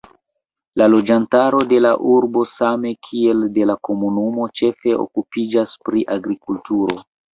La loĝantaro de la urbo same kiel de la komunumo ĉefe okupiĝas pri agrikulturo.